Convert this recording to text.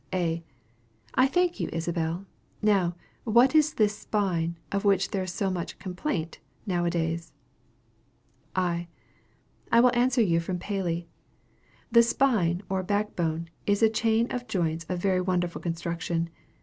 A. I thank you, Isabel. Now, what is this spine, of which there is so much "complaint" now a days? I. I will answer you from Paley: "The spine, or backbone, is a chain of joints of very wonderful construction.